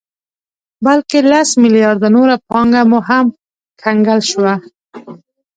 بلکې لس مليارده نوره پانګه مو هم کنګل شوه